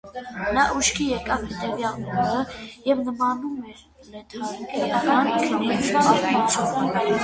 Նա ուշքի եկավ հետևյալ օրը և նմանում էր լեթարգիական քնից արթնացողի: